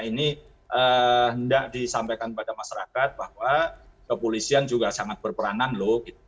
ini hendak disampaikan kepada masyarakat bahwa kepolisian juga sangat berperanan loh